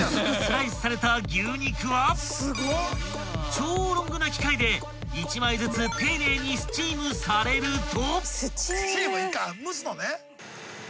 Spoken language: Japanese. ［超ロングな機械で１枚ずつ丁寧にスチームされると］